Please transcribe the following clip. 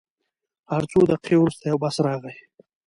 هر څو دقیقې وروسته یو بس راغی.